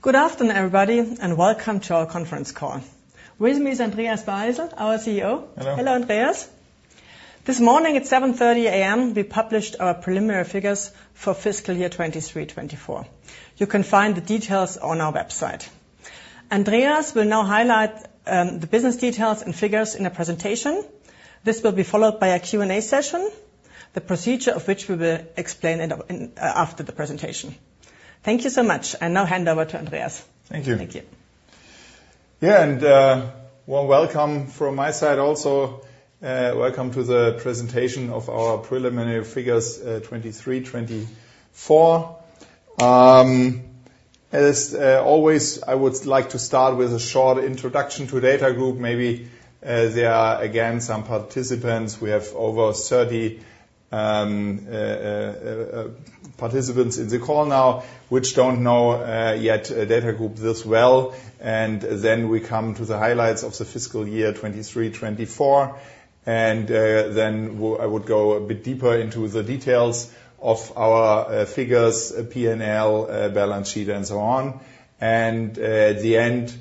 Good afternoon, everybody, and welcome to our conference call. With me is Andreas Baresel, our CEO. Hello. Hello, Andreas. This morning at 7:30 A.M., we published our preliminary figures for fiscal year 2023/2024. You can find the details on our website. Andreas will now highlight the business details and figures in a presentation. This will be followed by a Q&A session, the procedure of which we will explain after the presentation. Thank you so much. I now hand over to Andreas. Thank you. Thank you. Yeah, and well, welcome from my side also. Welcome to the presentation of our preliminary figures 2023/2024. As always, I would like to start with a short introduction to DATAGROUP. Maybe there are again some participants. We have over 30 participants in the call now, which don't know yet DATAGROUP this well. And then we come to the highlights of the fiscal year 2023/2024. And then I would go a bit deeper into the details of our figures, P&L, balance sheet, and so on. And at the end,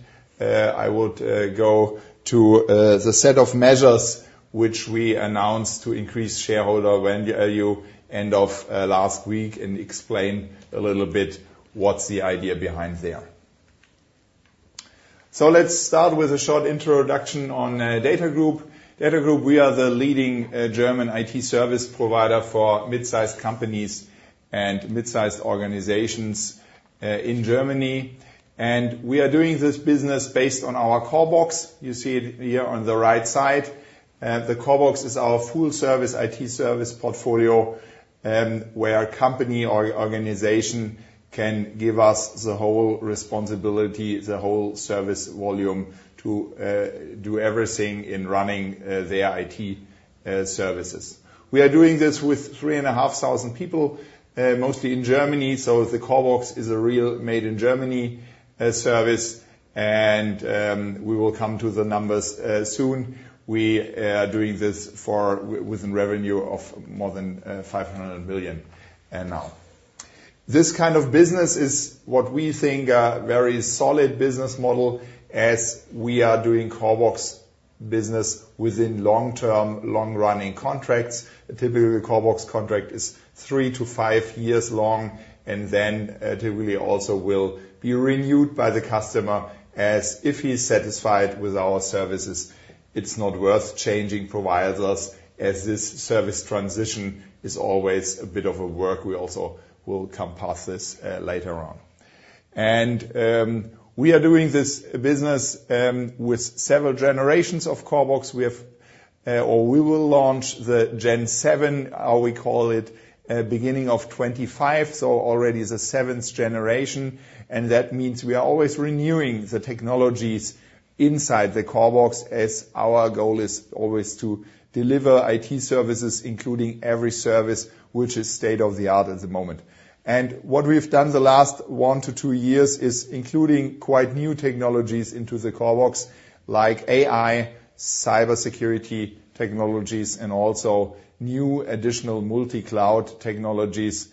I would go to the set of measures which we announced to increase shareholder value end of last week and explain a little bit what's the idea behind there. So let's start with a short introduction on DATAGROUP. DATAGROUP, we are the leading German IT service provider for mid-sized companies and mid-sized organizations in Germany. We are doing this business based on our CORBOX. You see it here on the right side. The CORBOX is our full-service IT service portfolio, where a company or organization can give us the whole responsibility, the whole service volume to do everything in running their IT services. We are doing this with 3,500 people, mostly in Germany. The CORBOX is a real made-in-Germany service. We will come to the numbers soon. We are doing this with revenue of more than 500 million now. This kind of business is what we think a very solid business model as we are doing CORBOX business within long-term, long-running contracts. Typically, the CORBOX contract is three to five years long, and then it really also will be renewed by the customer as if he's satisfied with our services. It's not worth changing providers as this service transition is always a bit of a work. We also will come past this, later on. We are doing this business with several generations of CORBOX. We have, or we will launch the Gen 7, how we call it, beginning of 2025. So already the seventh generation. That means we are always renewing the technologies inside the CORBOX as our goal is always to deliver IT services, including every service which is state of the art at the moment. What we've done the last one to two years is including quite new technologies into the CORBOX like AI, cybersecurity technologies, and also new additional multi-cloud technologies,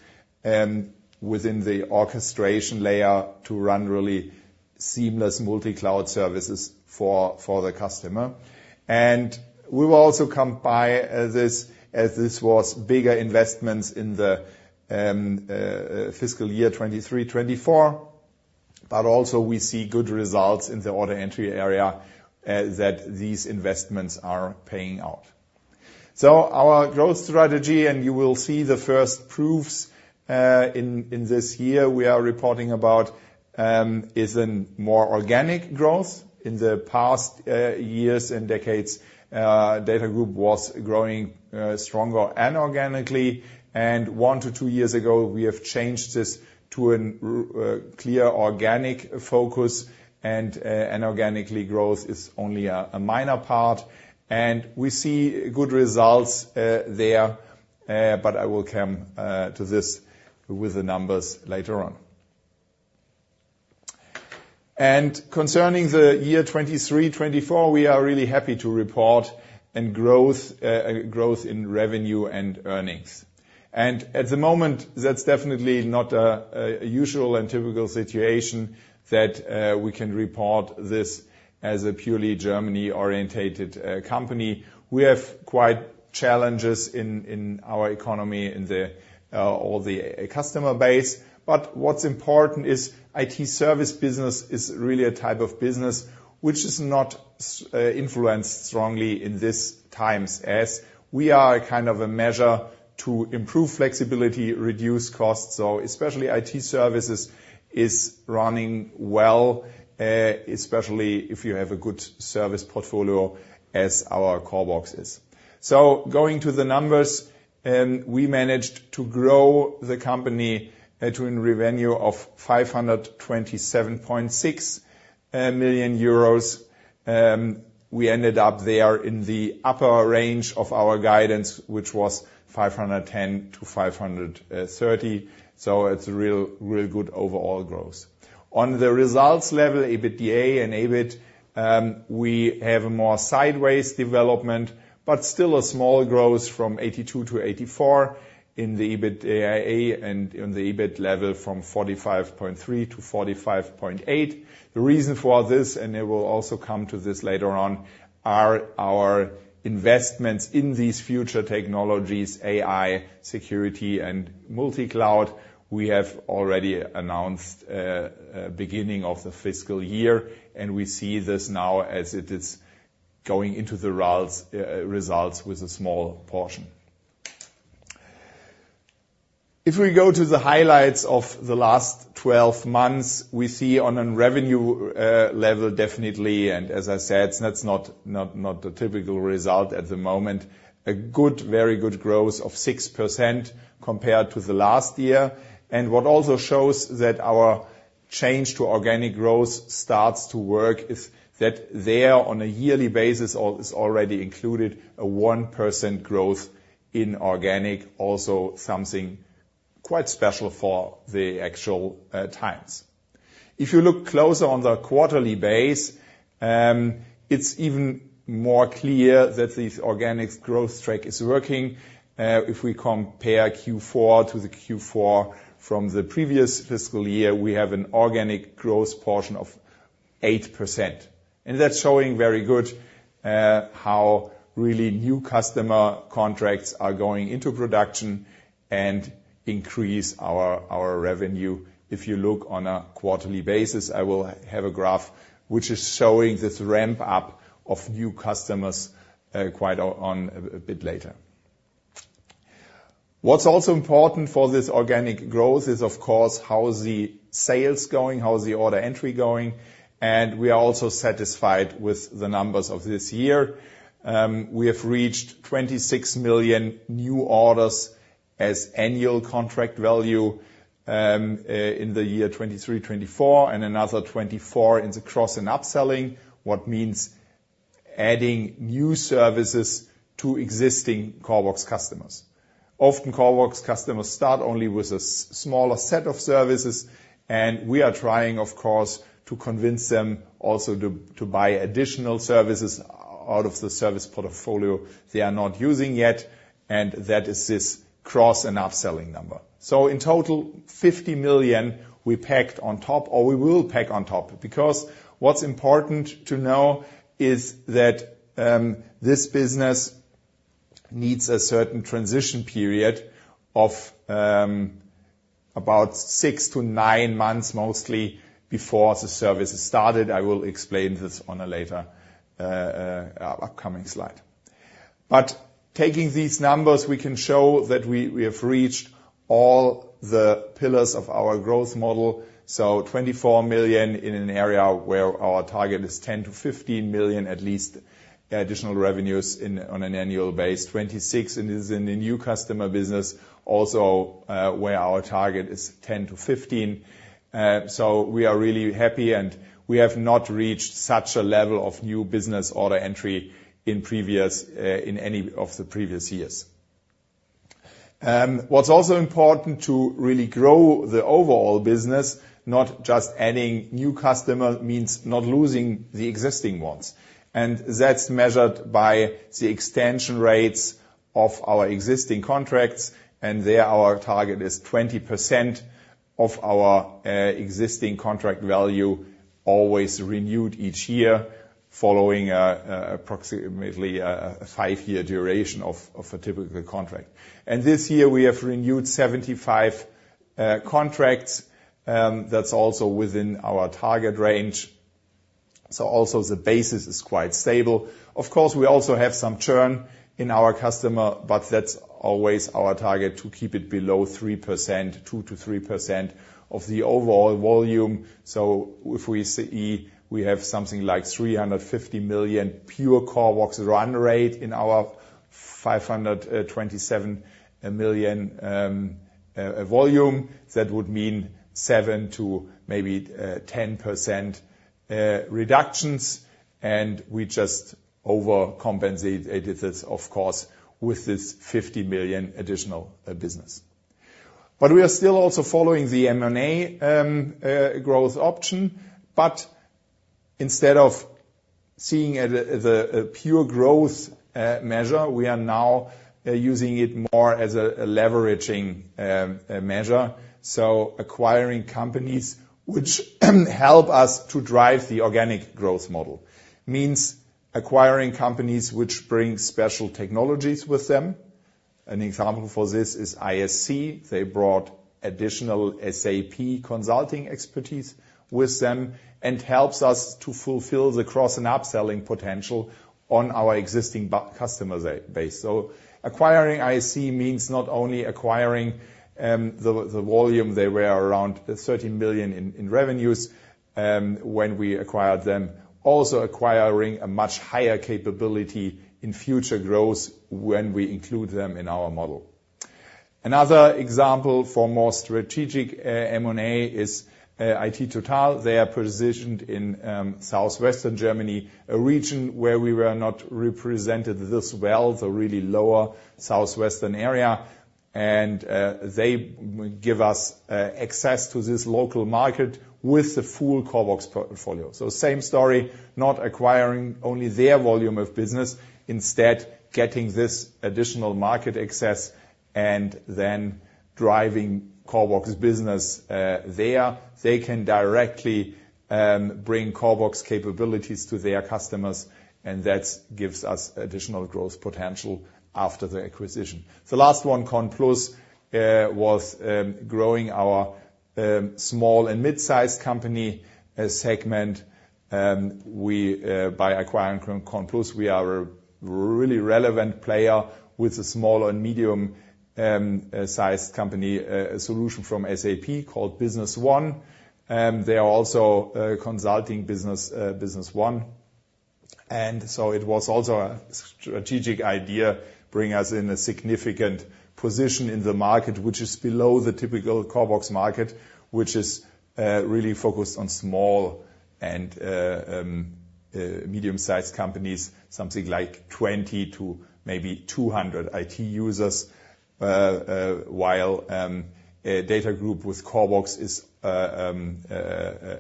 within the orchestration layer to run really seamless multi-cloud services for the customer. And we will also come back to this, as this was bigger investments in the fiscal year 2023/2024. But also we see good results in the order entry area, that these investments are paying out. So our growth strategy, and you will see the first proofs in this year we are reporting about, is a more organic growth. In the past years and decades, DATAGROUP was growing stronger and organically. And one to two years ago, we have changed this to a clear organic focus. And an organic growth is only a minor part. And we see good results there. But I will come to this with the numbers later on. And concerning the year 2023/2024, we are really happy to report on growth in revenue and earnings. At the moment, that's definitely not a usual and typical situation that we can report this as a purely Germany-oriented company. We have quite challenges in our economy and all the customer base. But what's important is IT service business is really a type of business which is not influenced strongly in these times as we are kind of a measure to improve flexibility, reduce costs. Especially IT services is running well, especially if you have a good service portfolio as our CORBOX is. Going to the numbers, we managed to grow the company to a revenue of 527.6 million euros. We ended up there in the upper range of our guidance, which was 510 million-530 million. It's a real, real good overall growth. On the results level, EBITDA and EBIT, we have a more sideways development, but still a small growth from 82 to 84 in the EBITDA and in the EBIT level from 45.3 to 45.8. The reason for this, and it will also come to this later on, are our investments in these future technologies, AI, security, and multi-cloud. We have already announced, beginning of the fiscal year, and we see this now as it is going into the results with a small portion. If we go to the highlights of the last 12 months, we see on a revenue level definitely, and as I said, that's not the typical result at the moment, a good, very good growth of 6% compared to the last year. And what also shows that our change to organic growth starts to work is that there on a yearly basis is already included a 1% growth in organic, also something quite special for the actual, times. If you look closer on the quarterly basis, it's even more clear that this organic growth track is working. If we compare Q4 to the Q4 from the previous fiscal year, we have an organic growth portion of 8%. And that's showing very good, how really new customer contracts are going into production and increase our, our revenue. If you look on a quarterly basis, I will have a graph which is showing this ramp up of new customers, quite a bit later. What's also important for this organic growth is, of course, how's the sales going, how's the order entry going. And we are also satisfied with the numbers of this year. We have reached 26 million new orders as annual contract value, in the year 2023/2024 and another 24 million in the cross and upselling, which means adding new services to existing COREBOX customers. Often, CORBOX customers start only with a smaller set of services. We are trying, of course, to convince them also to buy additional services out of the service portfolio they are not using yet. That is this cross and upselling number. In total, 50 million we packed on top, or we will pack on top, because what is important to know is that this business needs a certain transition period of about six to nine months mostly before the services start. I will explain this on a later, upcoming slide. Taking these numbers, we can show that we have reached all the pillars of our growth model. 24 million in an area where our target is 10 million-15 million at least additional revenues in on an annual base. 26 million is in the new customer business, also, where our target is 10 million-15 million. So we are really happy. And we have not reached such a level of new business order entry in previous, in any of the previous years. What's also important to really grow the overall business, not just adding new customers, means not losing the existing ones. And that's measured by the extension rates of our existing contracts. And there, our target is 20% of our, existing contract value always renewed each year following a, approximately a five-year duration of, of a typical contract. And this year, we have renewed 75 contracts. That's also within our target range. So also the basis is quite stable. Of course, we also have some churn in our customer, but that's always our target to keep it below 3%, 2%-3% of the overall volume. So if we see we have something like 350 million pure CORBOX run rate in our 527 million volume, that would mean 7% to maybe 10% reductions, and we just overcompensated this, of course, with this 50 million additional business. But we are still also following the M&A growth option, but instead of seeing at the the pure growth measure, we are now using it more as a a leveraging measure, so acquiring companies which help us to drive the organic growth model means acquiring companies which bring special technologies with them. An example for this is ISC. They brought additional SAP consulting expertise with them and helps us to fulfill the cross and upselling potential on our existing customer base. Acquiring ISC means not only acquiring the volume they were around 30 million in revenues when we acquired them, also acquiring a much higher capability in future growth when we include them in our model. Another example for more strategic M&A is iT TOTAL. They are positioned in southwestern Germany, a region where we were not represented this well, the really lower southwestern area. And they give us access to this local market with the full CORBOX portfolio. Same story, not acquiring only their volume of business, instead getting this additional market access and then driving CORBOX business there. They can directly bring COREBOX capabilities to their customers. And that gives us additional growth potential after the acquisition. The last one, CONPLUS, was growing our small and mid-sized company segment. We, by acquiring CONPLUS, are a really relevant player with a small- and medium-sized company solution from SAP called Business One. They are also a consulting business, Business One. And so it was also a strategic idea bringing us into a significant position in the market, which is below the typical CORBOX market, which is really focused on small and medium-sized companies, something like 20 to maybe 200 IT users, while DATAGROUP with CORBOX is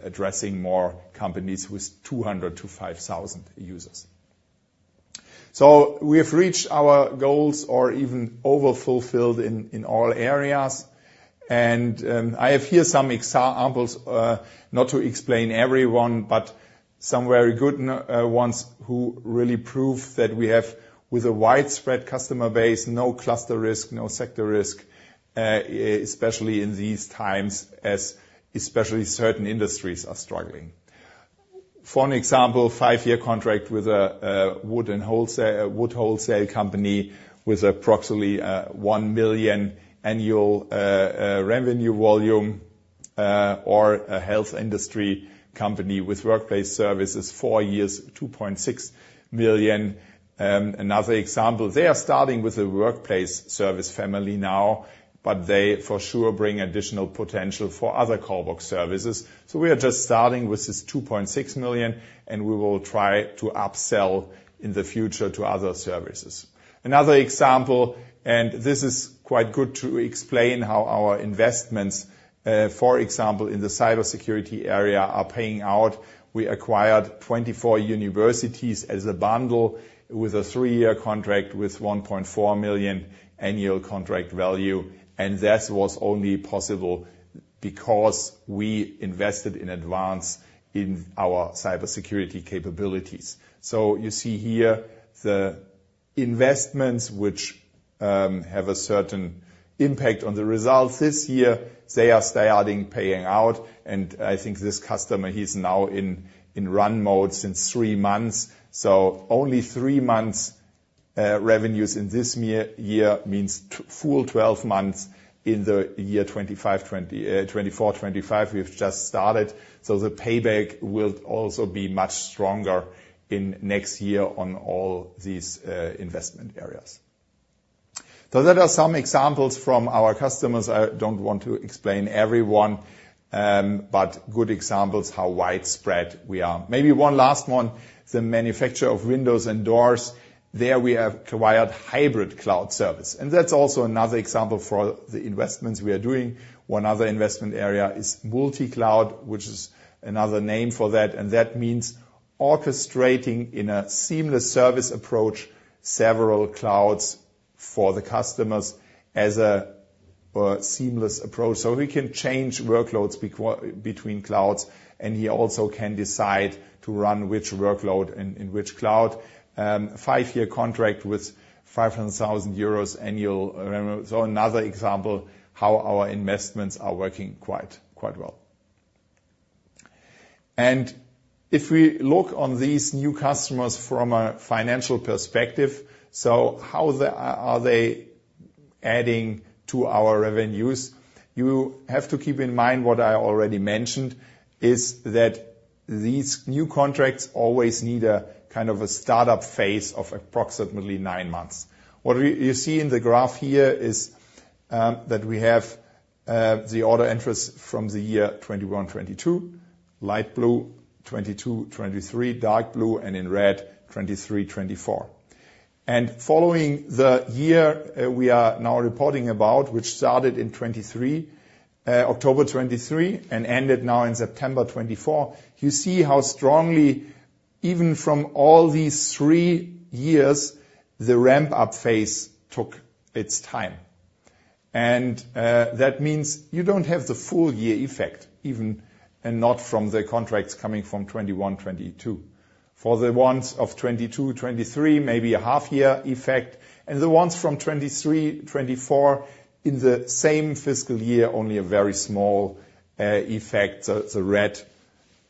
addressing more companies with 200 to 5,000 users. So we have reached our goals or even over-fulfilled in all areas. And I have here some examples, not to explain everyone, but some very good ones who really prove that we have, with a widespread customer base, no cluster risk, no sector risk, especially in these times as especially certain industries are struggling. For an example, five-year contract with a wood and wholesale wood wholesale company with approximately 1 million annual revenue volume, or a health industry company with workplace services, four years, 2.6 million. Another example, they are starting with a workplace service family now, but they for sure bring additional potential for other CORBOX services. So we are just starting with this 2.6 million, and we will try to upsell in the future to other services. Another example, and this is quite good to explain how our investments, for example, in the cybersecurity area are paying out. We acquired 24 universities as a bundle with a three-year contract with 1.4 million annual contract value. And that was only possible because we invested in advance in our cybersecurity capabilities. So you see here the investments which have a certain impact on the results this year, they are starting paying out. I think this customer, he's now in run mode since three months. So only three months, revenues in this year means full 12 months in the year 2024/2025. We've just started. So the payback will also be much stronger in next year on all these investment areas. So that are some examples from our customers. I don't want to explain everyone, but good examples how widespread we are. Maybe one last one, the manufacturer of windows and doors. There we have acquired hybrid cloud service. And that's also another example for the investments we are doing. One other investment area is multi-cloud, which is another name for that. And that means orchestrating in a seamless service approach several clouds for the customers as a seamless approach. So we can change workloads between clouds. And he also can decide to run which workload in which cloud. Five-year contract with 500,000 euros annual. So another example how our investments are working quite, quite well. And if we look on these new customers from a financial perspective, so how are they adding to our revenues? You have to keep in mind what I already mentioned is that these new contracts always need a kind of a startup phase of approximately nine months. What you see in the graph here is that we have the order entries from the year 2021/2022, light blue, 2022/2023, dark blue, and in red, 2023/2024. And for the year we are now reporting about, which started in October 2023 and ended now in September 2024, you see how strongly, even from all these three years, the ramp up phase took its time. That means you don't have the full year effect, even not from the contracts coming from 2021/2022. For the ones of 2022/2023, maybe a half year effect. The ones from 2023/2024 in the same fiscal year, only a very small effect, the red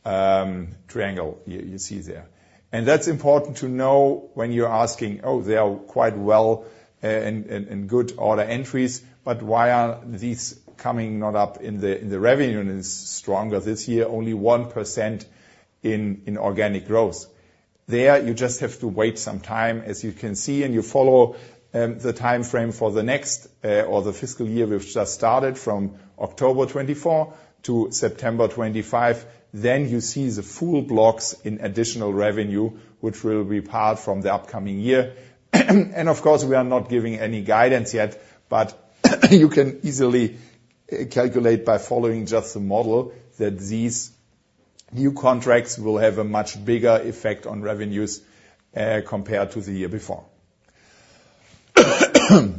triangle you see there. That's important to know when you're asking, oh, they are quite well, and good order entries. But why are these coming not up in the revenue and is stronger this year, only 1% in organic growth? There you just have to wait some time, as you can see. You follow the timeframe for the next, or the fiscal year, which just started from October 2024 to September 2025. Then you see the full blocks in additional revenue, which will be part from the upcoming year. Of course, we are not giving any guidance yet, but you can easily calculate by following just the model that these new contracts will have a much bigger effect on revenues, compared to the year before. I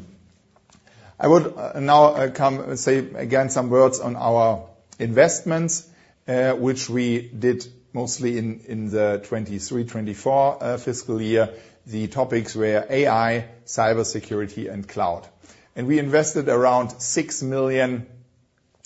would now come say again some words on our investments, which we did mostly in the 2023/2024 fiscal year. The topics were AI, cybersecurity, and cloud. We invested around 6 million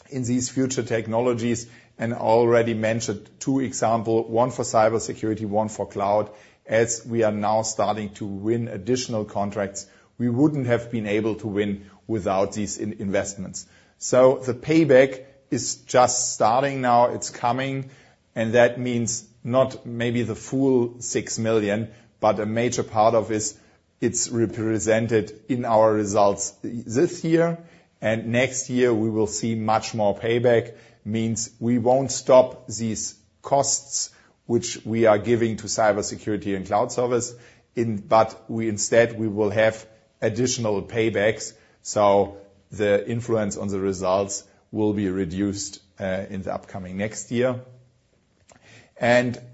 in these future technologies and already mentioned two examples, one for cybersecurity, one for cloud. As we are now starting to win additional contracts, we wouldn't have been able to win without these investments. So the payback is just starting now. It's coming. That means not maybe the full 6 million, but a major part of it is it's represented in our results this year. Next year, we will see much more payback. It means we won't stop these costs, which we are giving to cybersecurity and cloud service, but instead we will have additional paybacks. So the influence on the results will be reduced in the upcoming next year.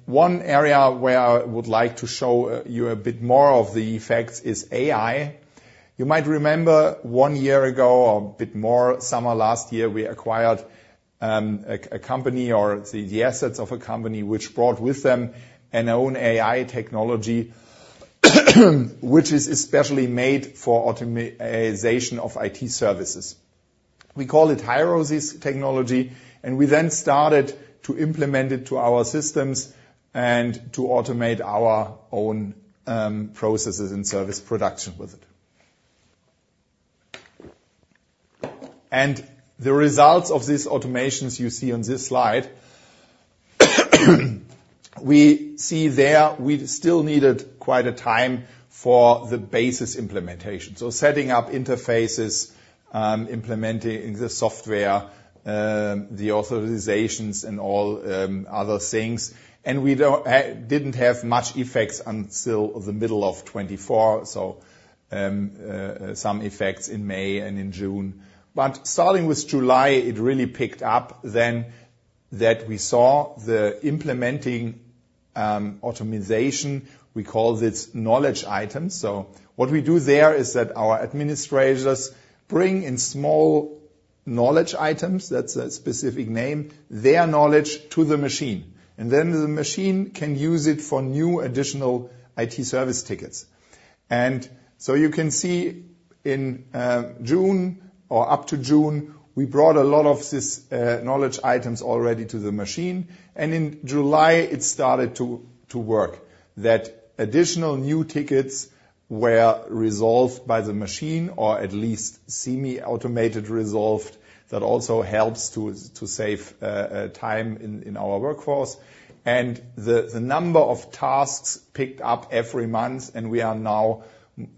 One area where I would like to show you a bit more of the effects is AI. You might remember one year ago or a bit more, summer last year, we acquired a company or the assets of a company which brought with them an own AI technology, which is especially made for automation of IT services. We call it HIRO technology. And we then started to implement it to our systems and to automate our own processes and service production with it. And the results of these automations you see on this slide. We see there we still needed quite a time for the basic implementation. Setting up interfaces, implementing the software, the authorizations and all other things. We didn't have much effects until the middle of 2024. Some effects in May and in June. Starting with July, it really picked up then that we saw the implementing, automation. We call this knowledge items. What we do there is that our administrators bring in small knowledge items. That's a specific name, their knowledge to the machine. Then the machine can use it for new additional IT service tickets. You can see in June or up to June, we brought a lot of this knowledge items already to the machine. In July, it started to work. Additional new tickets were resolved by the machine or at least semi-automated resolved. That also helps to save time in our workforce. And the number of tasks picked up every month. We are now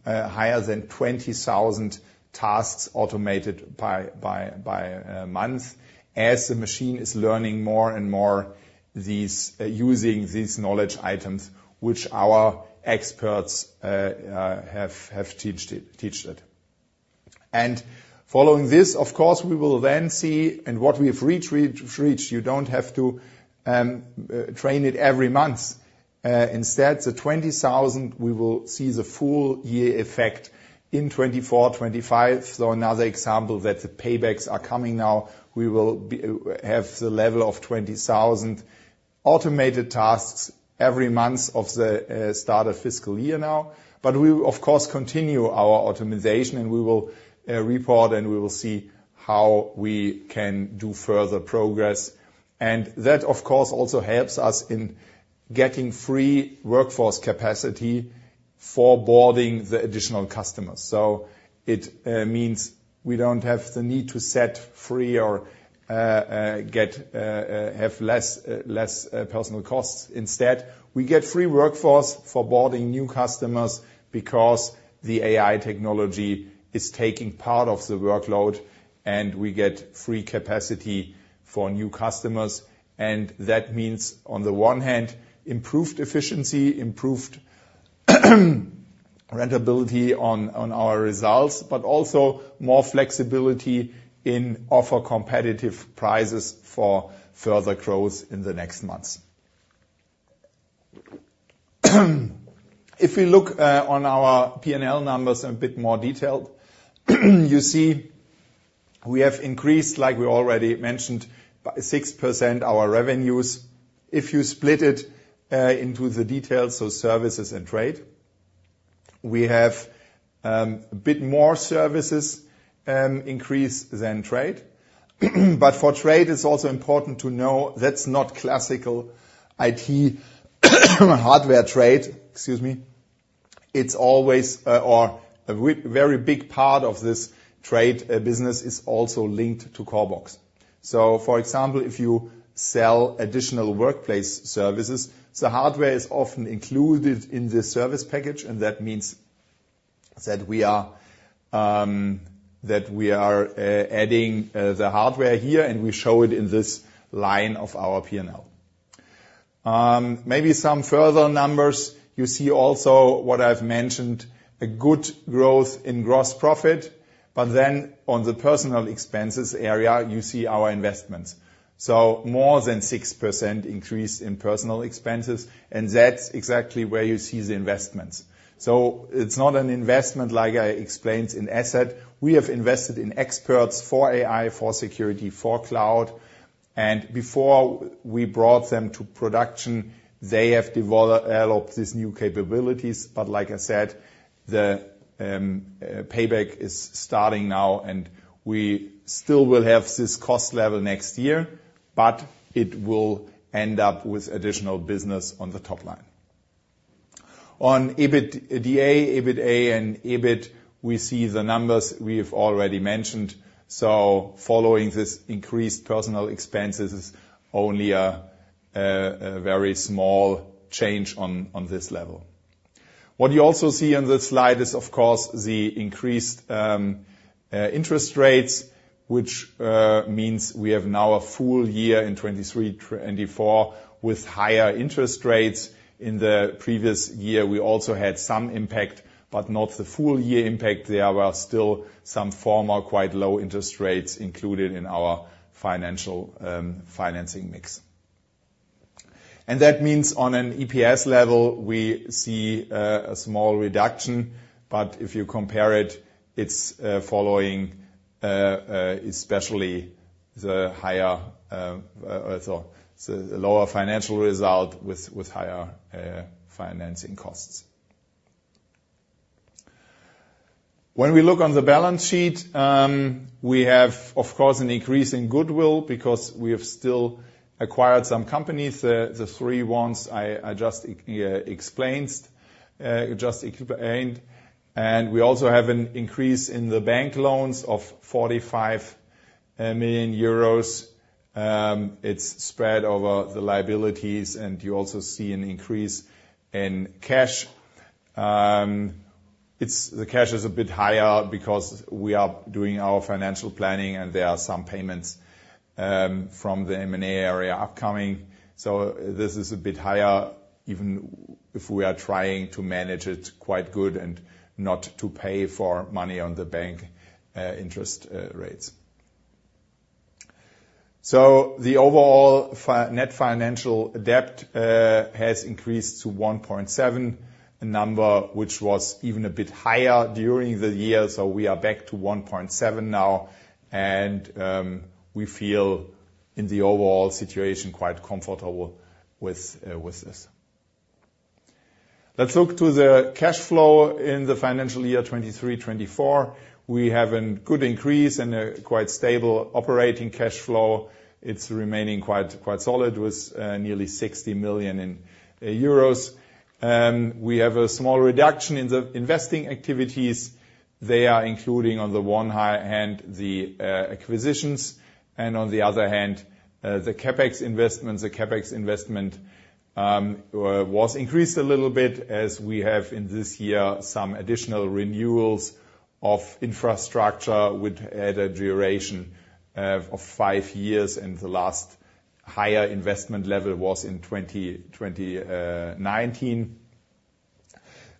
higher than 20,000 tasks automated per month as the machine is learning more and more, using these knowledge items, which our experts have taught it. Following this, of course, we will then see what we've reached. You don't have to train it every month. Instead, the 20,000, we will see the full year effect in 2024/2025, so another example that the paybacks are coming now. We will have the level of 20,000 automated tasks every month at the start of fiscal year now. We, of course, continue our automation and we will report and we will see how we can do further progress. That, of course, also helps us in getting free workforce capacity for onboarding the additional customers. So it means we don't have the need to set free or get less personnel costs. Instead, we get free workforce for boarding new customers because the AI technology is taking part of the workload and we get free capacity for new customers. And that means on the one hand, improved efficiency, improved profitability on our results, but also more flexibility to offer competitive prices for further growth in the next months. If we look on our P&L numbers a bit more detailed, you see we have increased, like we already mentioned, by 6% our revenues. If you split it into the details, so services and trade, we have a bit more services increase than trade. But for trade, it's also important to know that's not classical IT hardware trade. Excuse me. It's always, or a very big part of this trade, business is also linked to CORBOX. So for example, if you sell additional workplace services, the hardware is often included in the service package. And that means that we are adding the hardware here and we show it in this line of our P&L. Maybe some further numbers. You see also what I've mentioned, a good growth in gross profit. But then on the personnel expenses area, you see our investments. So more than 6% increase in personnel expenses. And that's exactly where you see the investments. So it's not an investment like I explained in assets. We have invested in experts for AI, for security, for cloud. And before we brought them to production, they have developed these new capabilities. But like I said, the payback is starting now and we still will have this cost level next year, but it will end up with additional business on the top line. On EBITDA, EBITA and EBIT, we see the numbers we've already mentioned. So following this increased personnel expenses, it's only a very small change on this level. What you also see on this slide is, of course, the increased interest rates, which means we have now a full year in 2023/2024 with higher interest rates. In the previous year, we also had some impact, but not the full year impact. There were still some former quite low interest rates included in our financial financing mix. And that means on an EPS level, we see a small reduction. But if you compare it, it's following, especially the higher, so the lower financial result with higher financing costs. When we look on the balance sheet, we have, of course, an increase in goodwill because we have still acquired some companies, the three ones I just explained. And we also have an increase in the bank loans of 45 million euros. It is spread over the liabilities. And you also see an increase in cash. The cash is a bit higher because we are doing our financial planning and there are some payments from the M&A area upcoming. So this is a bit higher even if we are trying to manage it quite good and not to pay for money on the bank interest rates. So the overall net financial debt has increased to 1.7, a number which was even a bit higher during the year. So we are back to 1.7 now. And we feel in the overall situation quite comfortable with this. Let's look to the cash flow in the financial year 2023/2024. We have a good increase and a quite stable operating cash flow. It's remaining quite solid with nearly 60 million euros. We have a small reduction in the investing activities. They are including on the one hand the acquisitions, and on the other hand, the CapEx investments. The CapEx investment, was increased a little bit as we have in this year some additional renewals of infrastructure with a duration of five years. And the last higher investment level was in 2019.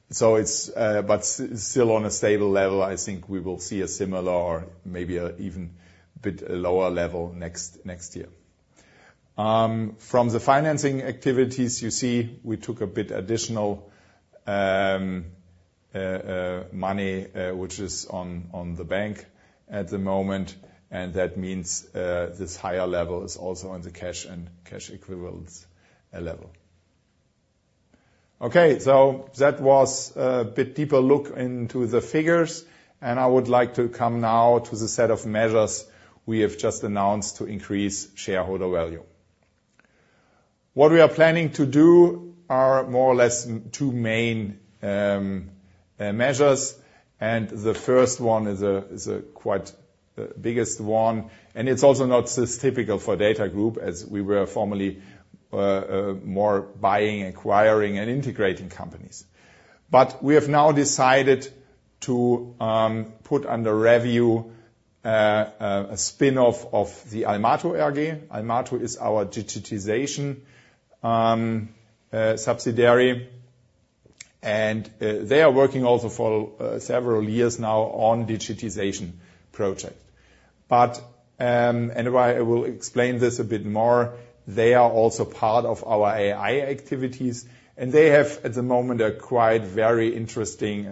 So it's but still on a stable level. I think we will see a similar or maybe even a bit lower level next year. From the financing activities, you see we took a bit additional money, which is on the bank at the moment, and that means this higher level is also on the cash and cash equivalents level. Okay, so that was a bit deeper look into the figures, and I would like to come now to the set of measures we have just announced to increase shareholder value. What we are planning to do are more or less two main measures, and the first one is a quite big one, and it's also not so typical for DATAGROUP as we were formerly more buying, acquiring, and integrating companies, but we have now decided to put under review a spinoff of the Almato AG. Almato is our digitization subsidiary. They are working also for several years now on digitization project. Why I will explain this a bit more. They are also part of our AI activities. They have at the moment a quite very interesting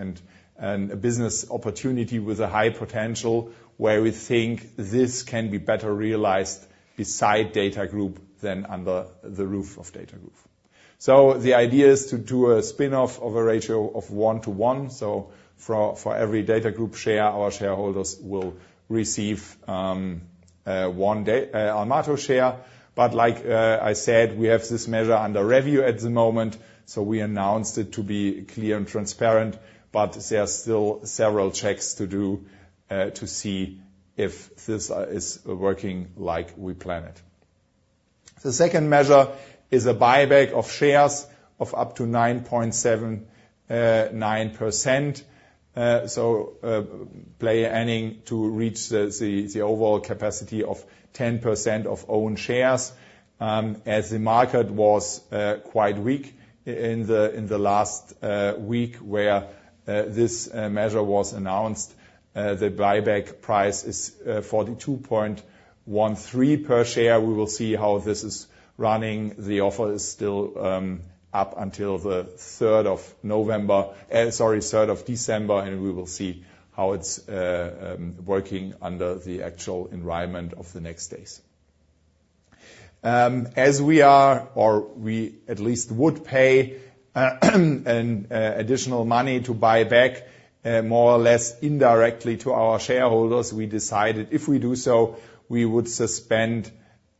and a business opportunity with a high potential where we think this can be better realized beside DATAGROUP than under the roof of DATAGROUP. The idea is to do a spinoff of a ratio of one to one. For every DATAGROUP share, our shareholders will receive one Almato share. Like I said, we have this measure under review at the moment. We announced it to be clear and transparent. There are still several checks to do to see if this is working like we planned. The second measure is a buyback of shares of up to 9.79%. So, plan adding to reach the overall capacity of 10% of own shares. As the market was quite weak in the last week where this measure was announced, the buyback price is 42.13 per share. We will see how this is running. The offer is still up until the 3rd of November, sorry, 3rd of December. We will see how it's working under the actual environment of the next days. As we are, or we at least would pay additional money to buy back, more or less indirectly to our shareholders, we decided if we do so, we would suspend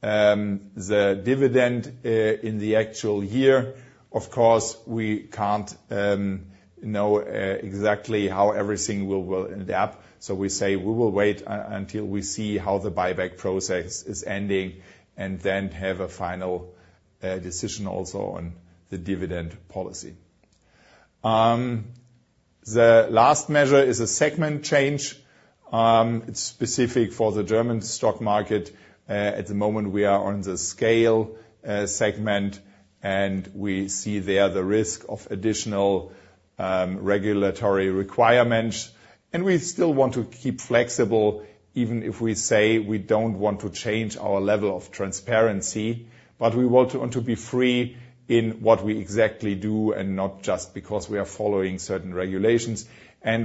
the dividend in the actual year. Of course, we can't know exactly how everything will end up. We say we will wait until we see how the buyback process is ending and then have a final decision also on the dividend policy. The last measure is a segment change. It's specific for the German stock market. At the moment we are on the Scale segment. We see there the risk of additional regulatory requirements. We still want to keep flexible even if we say we don't want to change our level of transparency. But we want to be free in what we exactly do and not just because we are following certain regulations.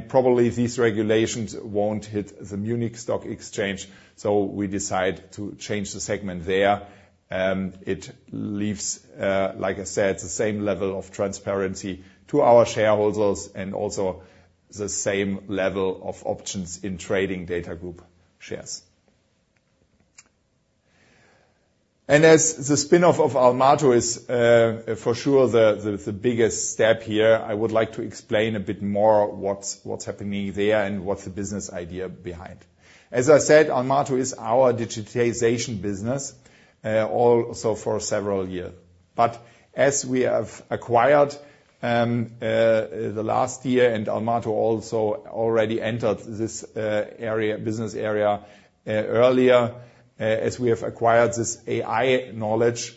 Probably these regulations won't hit the Munich Stock Exchange, so we decide to change the segment there. It leaves, like I said, the same level of transparency to our shareholders and also the same level of options in trading DATAGROUP shares. As the spinoff of Almato is for sure the biggest step here, I would like to explain a bit more what's happening there and what's the business idea behind. As I said, Almato is our digitization business, also for several years. But as we have acquired the last year and Almato also already entered this area, business area, earlier, as we have acquired this AI knowledge,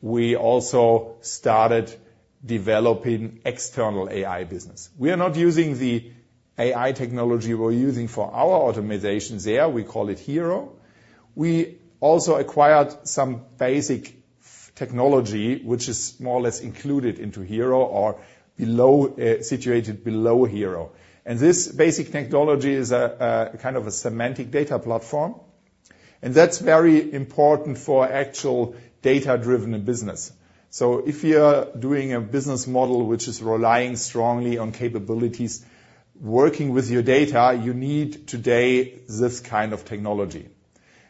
we also started developing external AI business. We are not using the AI technology we're using for our automation there. We call it HIRO. We also acquired some basic technology, which is more or less included into HIRO or below, situated below HIRO. And this basic technology is a kind of a semantic data platform. And that's very important for actual data-driven business. So if you're doing a business model which is relying strongly on capabilities, working with your data, you need today this kind of technology.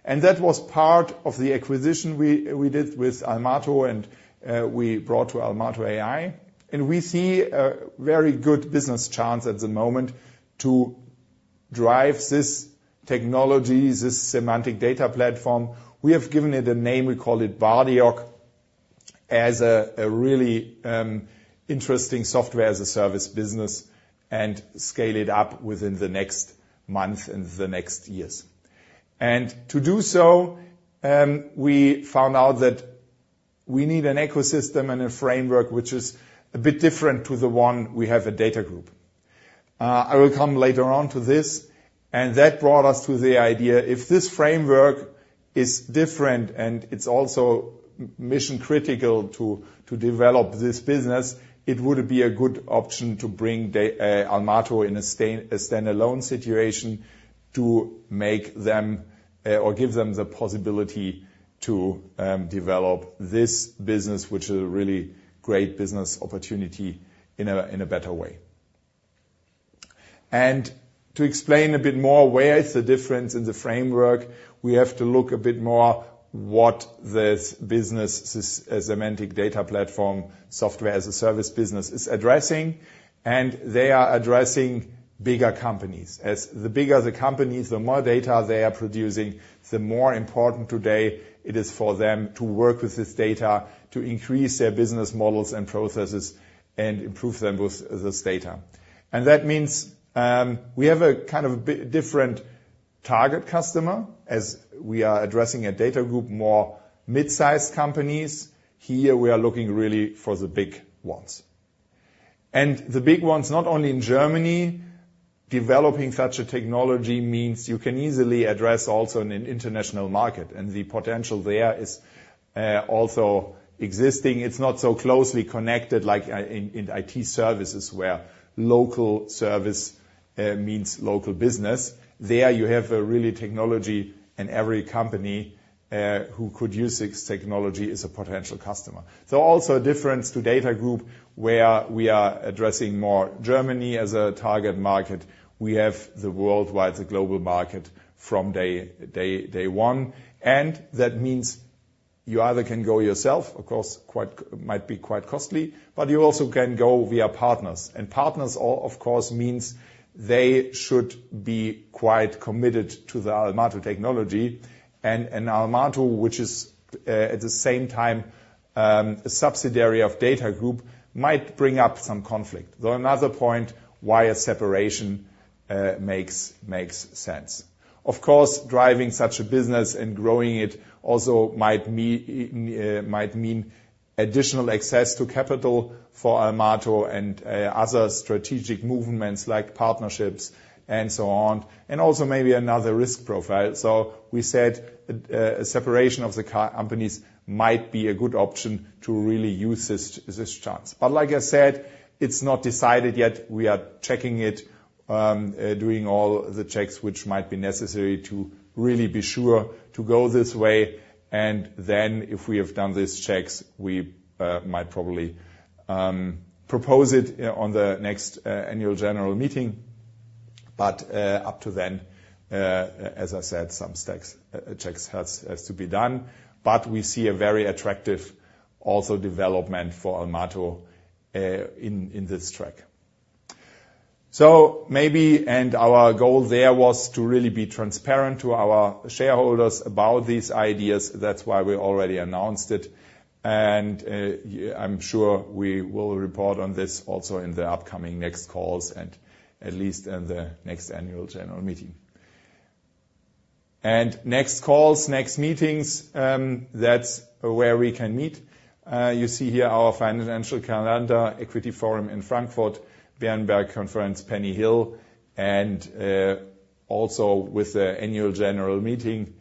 And that was part of the acquisition we did with Almato and we brought to Almato AI. And we see a very good business chance at the moment to drive this technology, this semantic data platform. We have given it a name. We call it Bardioc, as a really interesting software as a service business and scale it up within the next month and the next years. And to do so, we found out that we need an ecosystem and a framework which is a bit different to the one we have at DATAGROUP. I will come later on to this. And that brought us to the idea if this framework is different and it's also mission critical to develop this business, it would be a good option to bring Almato in a, say, standalone situation to make them, or give them the possibility to develop this business, which is a really great business opportunity in a better way. To explain a bit more where the difference in the framework is, we have to look a bit more at what this business, this semantic data platform, software as a service business is addressing. They are addressing bigger companies. As the bigger the companies, the more data they are producing, the more important today it is for them to work with this data to increase their business models and processes and improve them with this data. That means we have a kind of a bit different target customer as we are addressing at DATAGROUP, more mid-sized companies. Here we are looking really for the big ones. The big ones, not only in Germany, developing such a technology means you can easily address also in an international market. The potential there is also existing. It's not so closely connected like in IT services where local service means local business. There you have a real technology and every company who could use this technology is a potential customer. So also a difference to DATAGROUP where we are addressing more Germany as a target market. We have the worldwide, the global market from day one. And that means you either can go yourself, of course, it might be quite costly, but you also can go via partners. And partners, of course, means they should be quite committed to the Almato technology. And an Almato, which is, at the same time, a subsidiary of DATAGROUP, might bring up some conflict. Though another point why a separation makes sense. Of course, driving such a business and growing it also might mean additional access to capital for Almato and other strategic movements like partnerships and so on. And also maybe another risk profile. So we said, a separation of the companies might be a good option to really use this chance. But like I said, it's not decided yet. We are checking it, doing all the checks which might be necessary to really be sure to go this way. And then if we have done these checks, we might probably propose it on the next annual general meeting. But up to then, as I said, some such checks have to be done. But we see a very attractive also development for Almato in this track. So maybe and our goal there was to really be transparent to our shareholders about these ideas. That's why we already announced it. And, I'm sure we will report on this also in the upcoming next calls and at least in the next annual general meeting. And next calls, next meetings, that's where we can meet. You see here our financial calendar, Equity Forum in Frankfurt, Berenberg Conference, Pennyhill, and, also with the annual general meeting,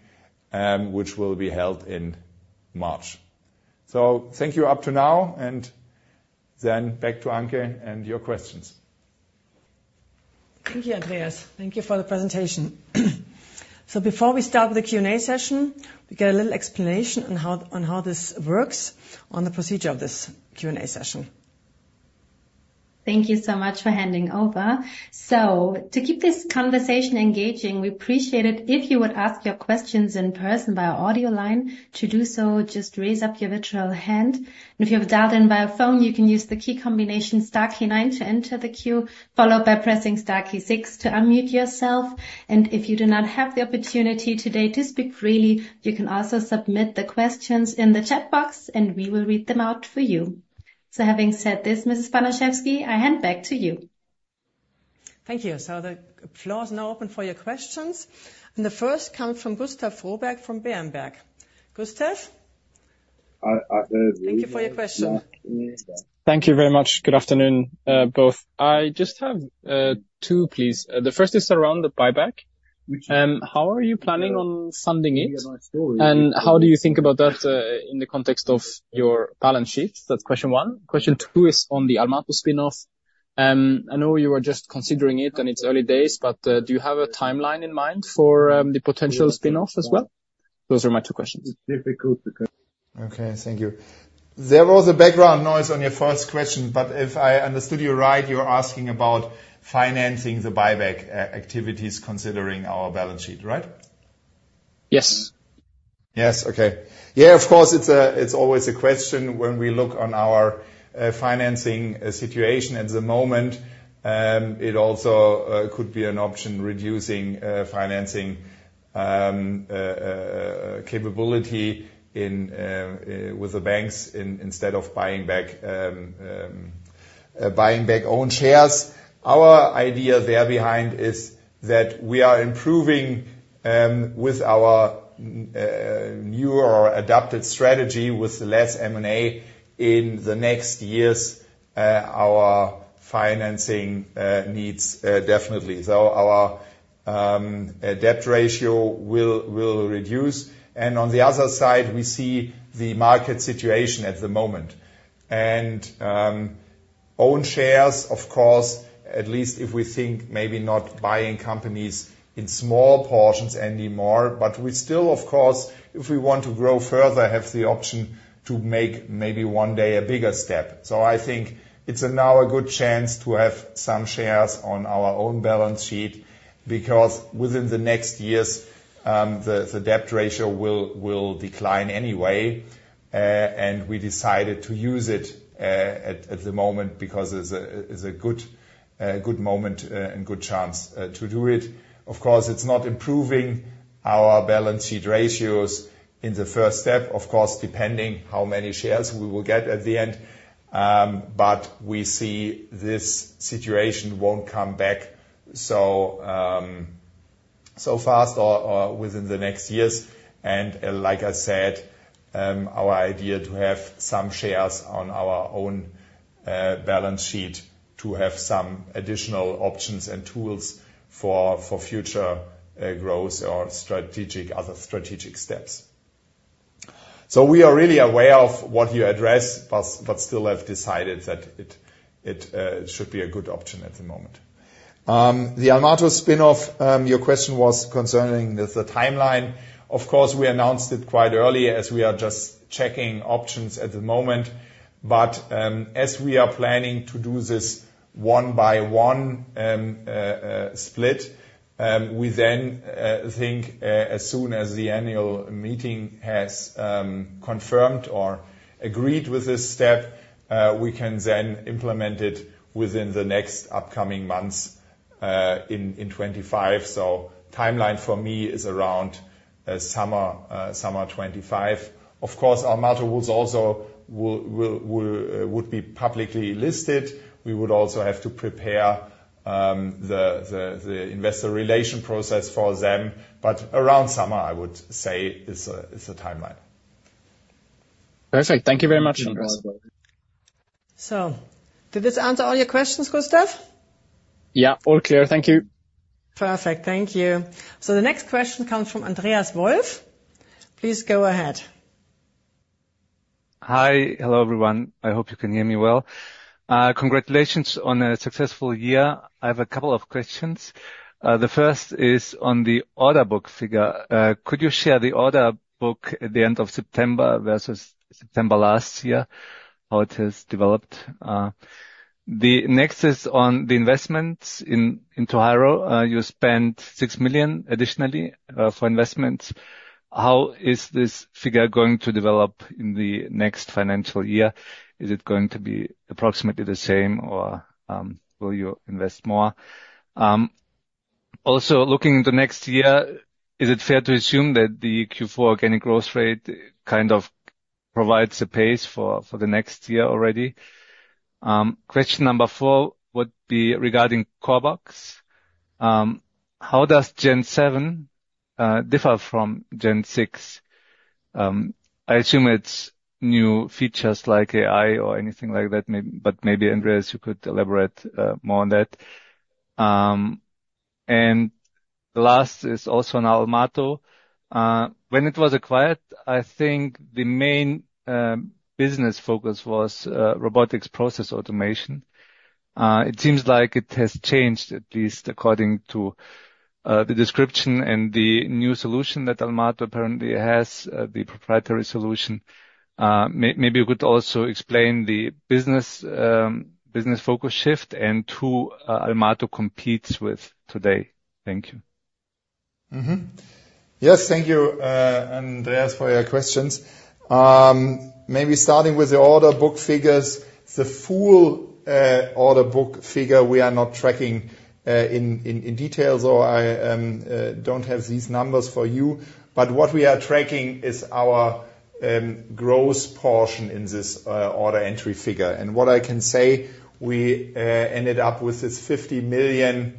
which will be held in March. So thank you up to now. And then back to Anke and your questions. Thank you, Andreas. Thank you for the presentation. So before we start with the Q&A session, we get a little explanation on how this works on the procedure of this Q&A session. Thank you so much for handing over. To keep this conversation engaging, we appreciate it if you would ask your questions in person by audio line. To do so, just raise up your virtual hand. If you have dialed in by a phone, you can use the key combination star key nine to enter the queue, followed by pressing star key six to unmute yourself. If you do not have the opportunity today to speak freely, you can also submit the questions in the chat box and we will read them out for you. Having said this, Ms. Banaschewski, I hand back to you. Thank you. So the floor is now open for your questions. And the first comes from Gustav Froberg from Berenberg. Gustav? Thank you for your question. Thank you very much. Good afternoon, both. I just have two please. The first is around the buyback. How are you planning on funding it? And how do you think about that, in the context of your balance sheets? That's question one. Question two is on the Almato spinoff. I know you were just considering it and it's early days, but do you have a timeline in mind for the potential spinoff as well? Those are my two questions. Okay. Thank you. There was a background noise on your first question, but if I understood you right, you're asking about financing the buyback, activities considering our balance sheet, right? Yes. Yes. Okay. Yeah. Of course, it's always a question when we look at our financing situation at the moment. It also could be an option increasing financing capability with the banks instead of buying back own shares. Our idea there behind is that we are improving with our new or adapted strategy with less M&A in the next years our financing needs definitely, so our debt ratio will reduce, and on the other side we see the market situation at the moment, and own shares of course at least if we think maybe not buying companies in small portions anymore, but we still of course if we want to grow further have the option to make maybe one day a bigger step. So, I think it's now a good chance to have some shares on our own balance sheet because within the next years, the debt ratio will decline anyway, and we decided to use it at the moment because it's a good moment and good chance to do it. Of course, it's not improving our balance sheet ratios in the first step, depending how many shares we will get at the end, but we see this situation won't come back so fast or within the next years, and like I said, our idea to have some shares on our own balance sheet to have some additional options and tools for future growth or other strategic steps. So we are really aware of what you address, but still have decided that it should be a good option at the moment. The Almato spinoff, your question was concerning the timeline. Of course, we announced it quite early as we are just checking options at the moment. But as we are planning to do this one by one split, we think as soon as the annual meeting has confirmed or agreed with this step, we can then implement it within the next upcoming months, in 2025. So timeline for me is around summer 2025. Of course, Almato will also would be publicly listed. We would also have to prepare the investor relations process for them. But around summer, I would say is a timeline. Perfect. Thank you very much, Andreas. So did this answer all your questions, Gustav? Yeah. All clear. Thank you. Perfect. Thank you. So the next question comes from Andreas Wolf. Please go ahead. Hi. Hello everyone. I hope you can hear me well. Congratulations on a successful year. I have a couple of questions. The first is on the order book figure. Could you share the order book at the end of September versus September last year, how it has developed? The next is on the investments into HIRO. You spent 6 million additionally for investments. How is this figure going to develop in the next financial year? Is it going to be approximately the same or, will you invest more? Also looking into next year, is it fair to assume that the Q4 organic growth rate kind of provides a pace for, for the next year already? Question number four would be regarding CORBOX. How does Gen 7 differ from Gen 6? I assume it's new features like AI or anything like that, maybe, but maybe Andreas, you could elaborate more on that. The last is also on Almato. When it was acquired, I think the main business focus was robotic process automation. It seems like it has changed, at least according to the description and the new solution that Almato apparently has, the proprietary solution. Maybe you could also explain the business focus shift and who Almato competes with today. Thank you. Yes. Thank you, Andreas, for your questions. Maybe starting with the order book figures, the full order book figure we are not tracking in detail, so I don't have these numbers for you, but what we are tracking is our growth portion in this order entry figure, and what I can say, we ended up with this 50 million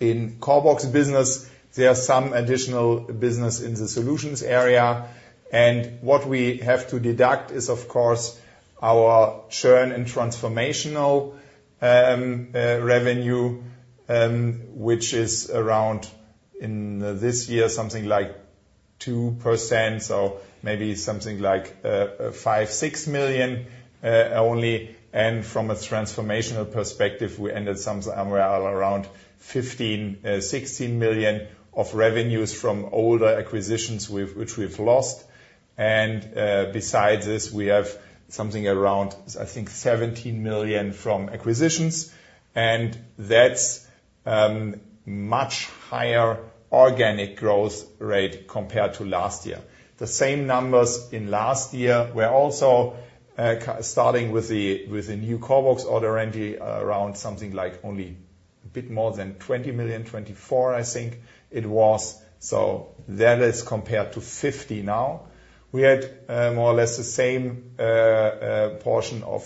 in CORBOX business. There's some additional business in the solutions area, and what we have to deduct is, of course, our churn and transformational revenue, which is around in this year something like 2%, so maybe something like 5 million-6 million only, and from a transformational perspective, we ended somewhere around 15 million or 16 million of revenues from older acquisitions with which we've lost, and besides this, we have something around, I think, 17 million from acquisitions, and that's much higher organic growth rate compared to last year. The same numbers in last year. We're also starting with the new CORBOX order entry around something like only a bit more than 20 million, 24 million, I think it was. So that is compared to 50 million now. We had more or less the same portion of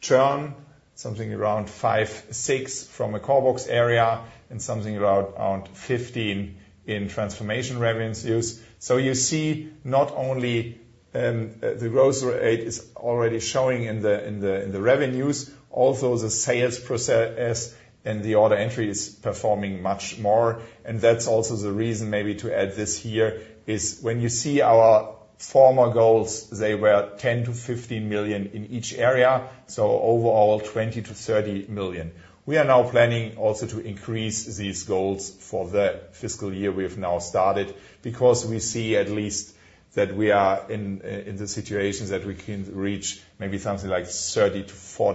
churn, something around 5 million-6 million from a CORBOX area and something around 15 million in transformation revenues use. So you see not only the growth rate is already showing in the revenues, also the sales process and the order entry is performing much more, and that's also the reason maybe to add this here is when you see our former goals, they were 10 million-15 million in each area. So overall 20 million-30 million. We are now planning also to increase these goals for the fiscal year we've now started because we see at least that we are in the situation that we can reach maybe something like 30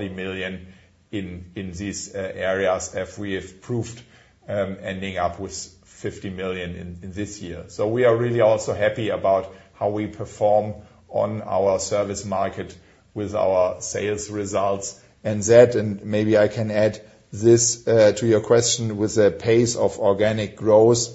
million-40 million in these areas if we have proved ending up with 50 million in this year. So we are really also happy about how we perform on our service market with our sales results and that. And maybe I can add this to your question with the pace of organic growth.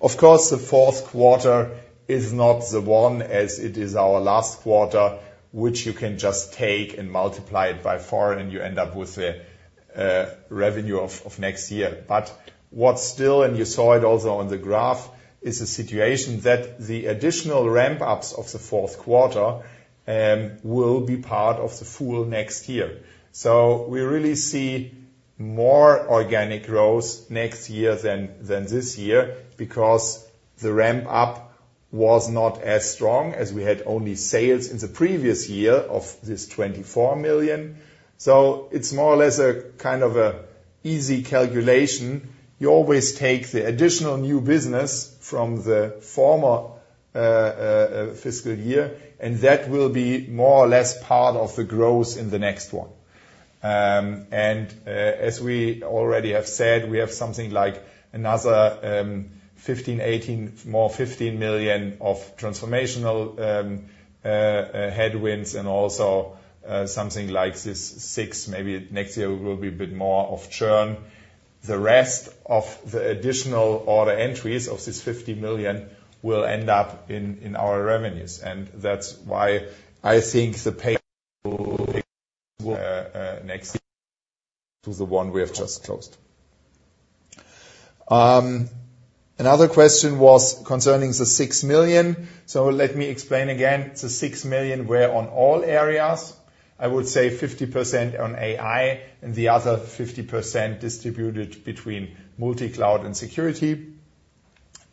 Of course, the fourth quarter is not the one as it is our last quarter, which you can just take and multiply it by four and you end up with the revenue of next year. But what's still, and you saw it also on the graph, is a situation that the additional ramp-ups of the fourth quarter will be part of the full next year. So we really see more organic growth next year than this year because the ramp-up was not as strong as we had only sales in the previous year of this 24 million. So it's more or less a kind of easy calculation. You always take the additional new business from the former fiscal year and that will be more or less part of the growth in the next one. And, as we already have said, we have something like another 15 million-18 million, more 15 million of transformational headwinds and also something like this 6 million. Maybe next year will be a bit more of churn. The rest of the additional order entries of this 50 million will end up in our revenues. That's why I think the P&L will next year to the one we have just closed. Another question was concerning the 6 million. Let me explain again. The 6 million were on all areas. I would say 50% on AI and the other 50% distributed between multi-cloud and security.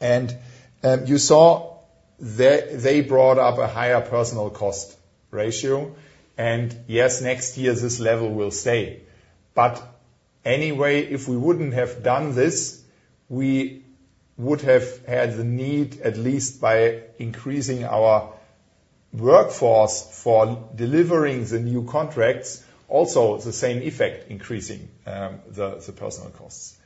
You saw they brought up a higher personnel cost ratio. Yes, next year this level will stay. But anyway, if we wouldn't have done this, we would have had the need at least by increasing our workforce for delivering the new contracts, also the same effect increasing the personnel costs.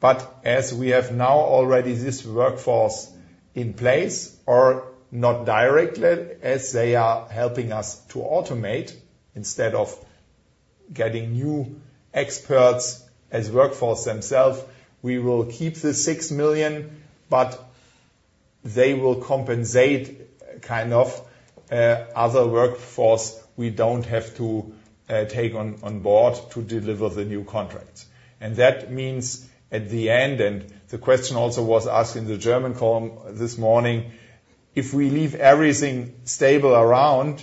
But as we have now already this workforce in place or not directly as they are helping us to automate instead of getting new experts as workforce themselves, we will keep the 6 million, but they will compensate kind of other workforce we don't have to take on board to deliver the new contracts. And that means at the end, and the question also was asked in the German column this morning, if we leave everything stable around,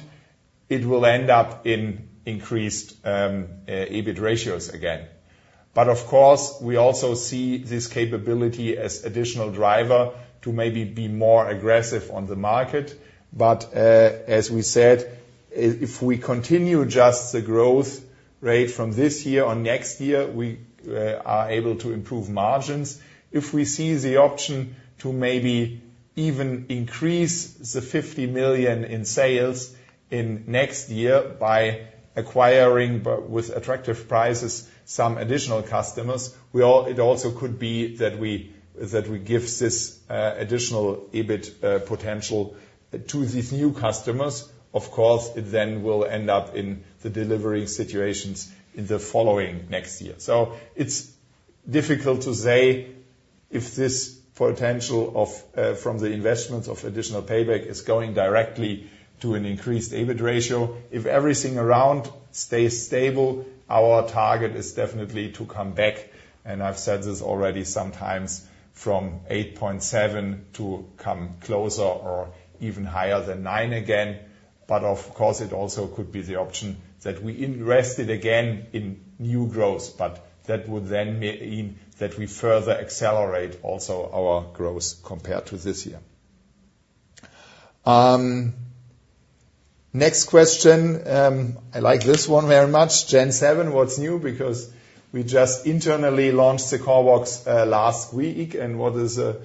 it will end up in increased EBIT ratios again. But of course, we also see this capability as additional driver to maybe be more aggressive on the market. But as we said, if we continue just the growth rate from this year or next year, we are able to improve margins. If we see the option to maybe even increase the 50 million in sales in next year by acquiring with attractive prices some additional customers, well, it also could be that we give this additional EBIT potential to these new customers. Of course, it then will end up in the delivery situations in the following next year. So it's difficult to say if this potential, from the investments of additional payback, is going directly to an increased EBIT ratio. If everything around stays stable, our target is definitely to come back. And I've said this already sometimes from 8.7% to come closer or even higher than 9% again. But of course, it also could be the option that we invest again in new growth, but that would then mean that we further accelerate also our growth compared to this year. Next question. I like this one very much. Gen 7, what's new? Because we just internally launched the CORBOX last week. And what was a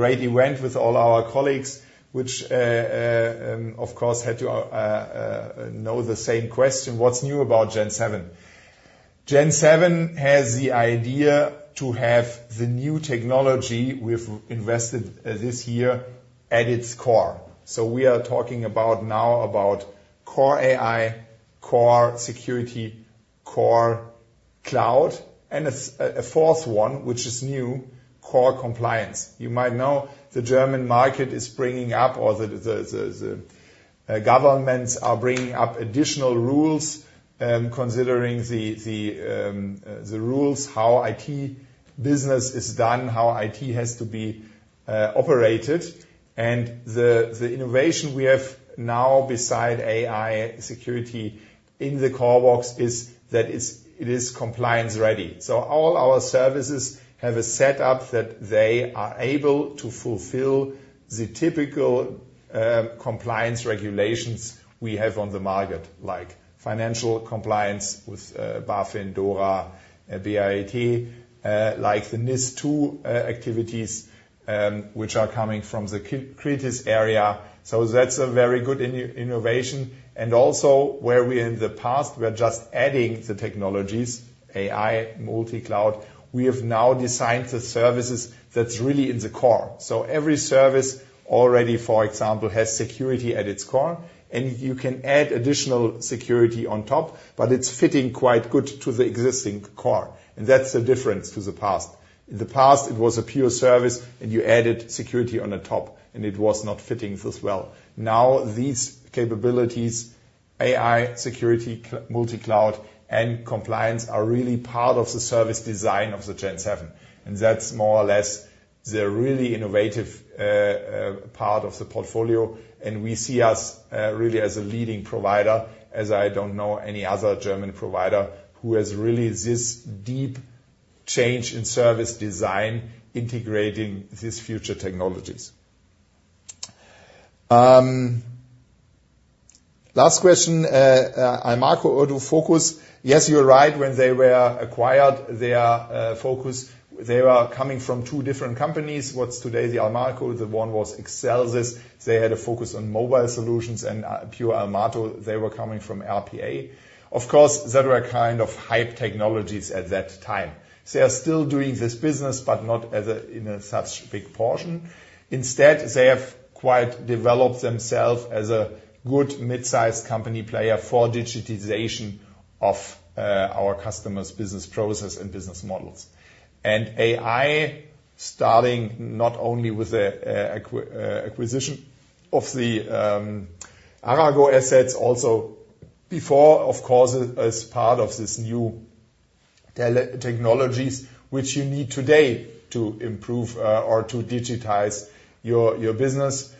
great event with all our colleagues, which of course had to know the same question. What's new about Gen 7? Gen 7 has the idea to have the new technology we've invested this year at its core. So we are talking about now about COR AI, CORSecurity, CORCloud, and a fourth one, which is new, CORCompliance. You might know the German market is bringing up or the governments are bringing up additional rules, considering the rules, how IT business is done, how IT has to be operated. And the innovation we have now besides AI security in the CORBOX is that it is compliance ready. So all our services have a setup that they are able to fulfill the typical compliance regulations we have on the market, like financial compliance with BaFin, DORA, BIT, like the NIS2 activities, which are coming from the KRITIS area. So that's a very good innovation. And also where we in the past were just adding the technologies, AI, multi-cloud, we have now designed the services that's really in the core. So every service already, for example, has security at its core, and you can add additional security on top, but it's fitting quite good to the existing core. And that's the difference to the past. In the past, it was a pure service and you added security on the top and it was not fitting this well. Now these capabilities, AI security, multi-cloud and compliance are really part of the service design of the Gen 7. And that's more or less the really innovative part of the portfolio. And we see us really as a leading provider, as I don't know any other German provider who has really this deep change in service design integrating these future technologies. Last question, Almato's focus? Yes, you're right. When they were acquired, their focus, they were coming from two different companies. What's today the Almato? The one was Excelsis. They had a focus on mobile solutions and pure Almato. They were coming from RPA. Of course, that were kind of hype technologies at that time. They are still doing this business, but not as a in such big portion. Instead, they have quite developed themselves as a good mid-sized company player for digitization of our customers' business process and business models. AI starting not only with the acquisition of the Arago assets, also before, of course, as part of this new technologies, which you need today to improve or to digitize your business.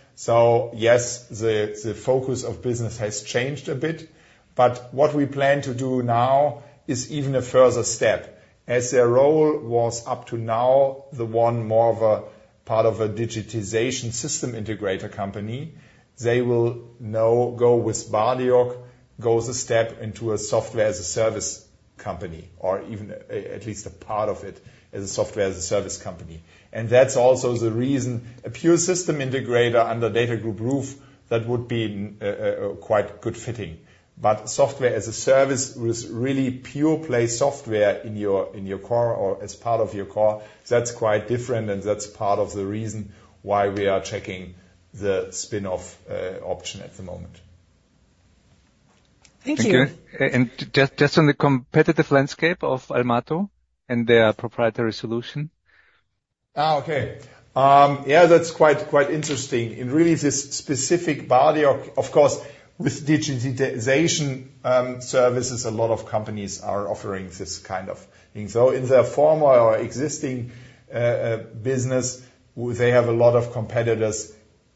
Yes, the focus of business has changed a bit, but what we plan to do now is even a further step. As their role was up to now, the one more of a part of a digitization system integrator company, they will now go with Bardioc goes a step into a software as a service company or even at least a part of it as a software as a service company. That's also the reason a pure system integrator under DATAGROUP roof that would be quite good fitting. But SaaS with really pure play software in your core or as part of your core, that's quite different. And that's part of the reason why we are checking the spinoff option at the moment. Thank you. Thank you. And just on the competitive landscape of Almato and their proprietary solution? Okay. Yeah, that's quite interesting. And really this specific Bardioc, of course, with digitization services, a lot of companies are offering this kind of thing. So in their former or existing business, they have a lot of competitors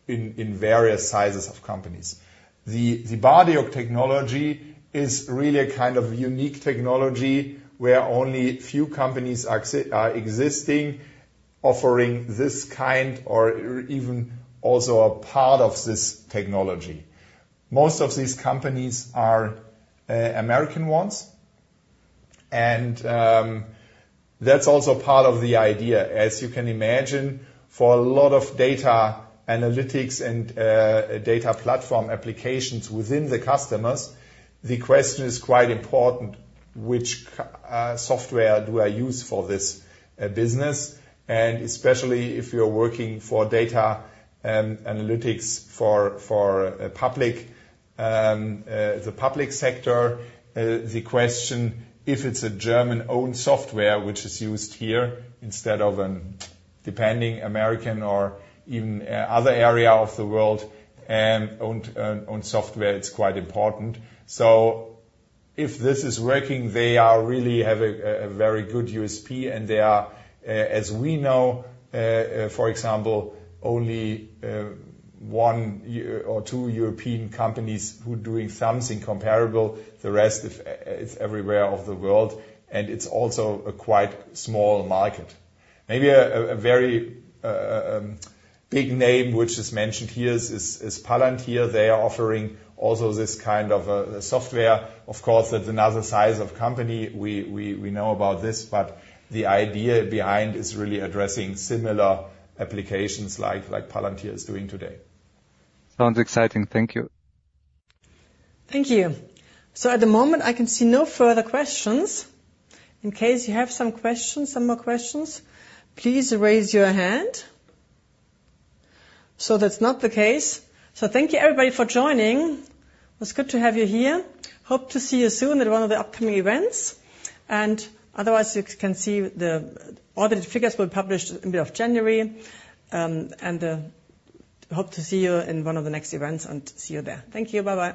in various sizes of companies. The Bardioc technology is really a kind of unique technology where only few companies are existing offering this kind or even also a part of this technology. Most of these companies are American ones. And that's also part of the idea. As you can imagine, for a lot of data analytics and data platform applications within the customers, the question is quite important, which software do I use for this business? And especially if you're working for data analytics for the public sector, the question if it's a German-owned software which is used here instead of a depending American or even other area of the world owned software, it's quite important. So if this is working, they really have a very good USP and they are, as we know, for example, only one or two European companies who are doing something comparable. The rest is from everywhere in the world, and it's also a quite small market. Maybe a very big name which is mentioned here is Palantir. They are offering also this kind of a software, of course, that's another size of company. We know about this, but the idea behind is really addressing similar applications like Palantir is doing today. Sounds exciting. Thank you. Thank you. So at the moment, I can see no further questions. In case you have some questions, some more questions, please raise your hand. So that's not the case. So thank you everybody for joining. It was good to have you here. Hope to see you soon at one of the upcoming events, and otherwise you can see the audited figures will be published in the middle of January, and hope to see you in one of the next events and see you there. Thank you. Bye bye.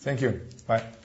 Thank you. Bye.